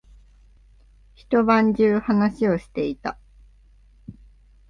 一晩中話をしていた。